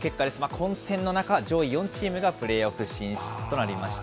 混戦の中、上位４チームがプレーオフ進出となりました。